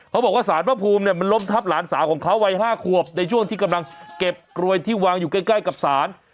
เขาบอกว่าสารพระภูมิเนี่ยมันล้มทับหลานสาวของเขาวัย๕ขวบในช่วงที่กำลังเก็บกลวยที่วางอยู่ใกล้กับศาล